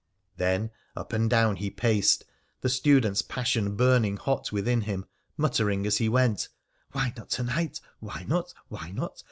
Then up and down he paced, the student's passion burning hot within him, muttering as he went :' Why not to night ? Why not, why not